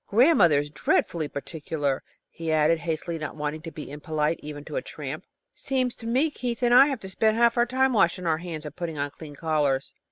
Grandmother is dreadfully particular," he added, hastily, not wanting to be impolite even to a tramp. "Seems to me Keith and I have to spend half our time washing our hands and putting on clean collars."